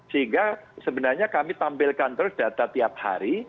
sehingga sebenarnya kami tampilkan terus data tiap hari